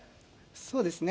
そうですね。